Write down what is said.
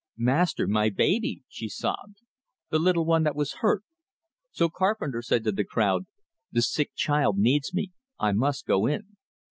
"Master, my baby!" she sobbed. "The little one that was hurt!" So Carpenter said to the crowd, "The sick child needs me. I must go in."